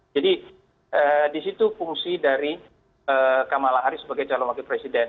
jadi di situ fungsi dari kamala harris sebagai calon wakil presiden